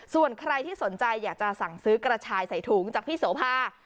ส่วนใครที่สนใจอยากจะสั่งซื้อกระชายใส่ถุงจากพี่โสภา